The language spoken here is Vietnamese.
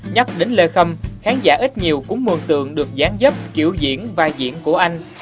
nhắc đến lê khâm khán giả ít nhiều cũng muồn tượng được dán dấp kiểu diễn vai diễn của anh